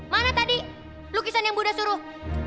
mana tadi lukisan yang budd suruh